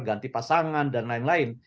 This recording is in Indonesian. ganti pasangan dan lain lain